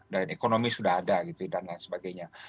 dan ekonomi sudah ada gitu dan lain sebagainya